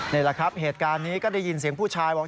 นี่แหละครับเหตุการณ์นี้ก็ได้ยินเสียงผู้ชายบอก